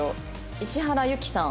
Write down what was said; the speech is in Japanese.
石原由希さん。